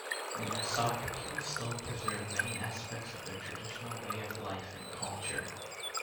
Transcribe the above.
The Naskapi still preserve many aspects of their traditional way of life and culture.